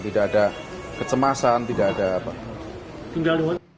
tidak ada kecemasan tidak ada apa apa